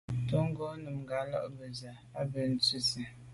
Tɔ̌ ngɔ́ nùngà mfɛ̀n lá bə́ zə̄ à’ bə́ á dʉ̀’ nsí.